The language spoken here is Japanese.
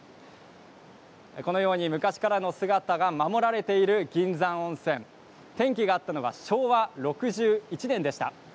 このように昔からの姿が守られている銀山温泉転機があったのが昭和６１年でした。